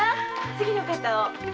次の方を。